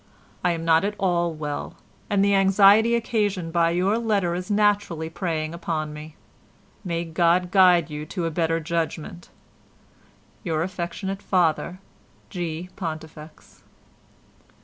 I am not at all well, and the anxiety occasioned by your letter is naturally preying upon me. May God guide you to a better judgement.—Your affectionate father, G. PONTIFEX."